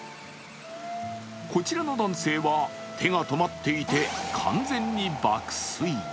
こちらの男性は手が止まっていて、完全に爆睡。